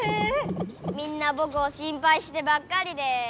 みんなぼくを心ぱいしてばっかりで。